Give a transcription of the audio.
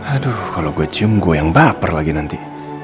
aduh kalo gua cium gua yang baper lagi nanti